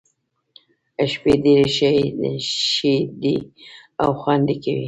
شپې ډېرې ښې دي او خوند کوي.